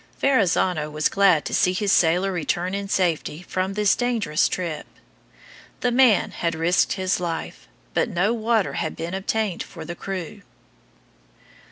Verrazzano was glad to see his sailor return in safety from this dangerous trip. The man had risked his life, but no water had been obtained for the crew.